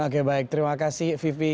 oke baik terima kasih vivi